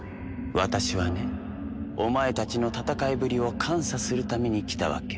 私はねお前たちの戦いぶりを監査するために来たわけ。